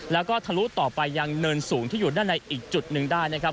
แล้วก็ทะลุต่อไปยังเนินสูงที่อยู่ด้านในอีกจุดหนึ่งได้นะครับ